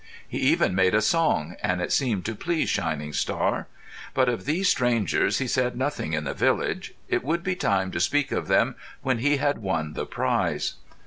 He even made a song, and it seemed to please Shining Star. But of these strangers he said nothing in the village. It would be time to speak of them when he had won the prize.